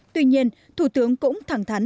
tuy nhiên thủ tướng cũng thẳng thắn